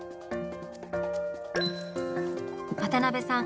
渡辺さん